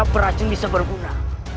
asap beracun bisa berguna